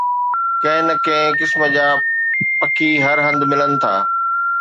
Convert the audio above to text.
ڪنهن نه ڪنهن قسم جا پکي هر هنڌ ملن ٿا